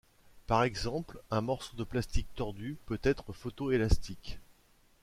Par exemple, un morceau de plastique tordu peut être photoélastique.